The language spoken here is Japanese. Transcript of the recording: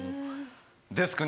デスクね